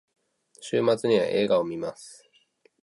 週末には映画を観ます。